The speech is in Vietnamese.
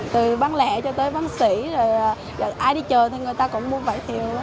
từ bán lẹ cho tới bán xỉ ai đi chờ thì người ta cũng mua vải thiều